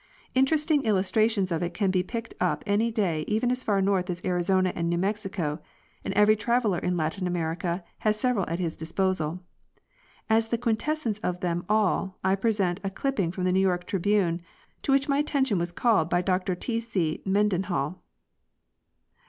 Interesting illustrations of it can be picked up any day even as far north as Arizona and New Mexico, and every traveller in Latin America has several at his disposal. As.the quintessence of them all I present a clipping from the New York Tribune to which my at tention was called by Dr T. C. Mendenhall.